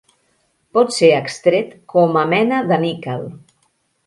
Pot ser extret com a mena de níquel.